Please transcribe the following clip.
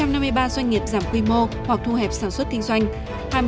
một trăm năm mươi ba doanh nghiệp giảm quy mô hoặc thu hẹp sản xuất kinh doanh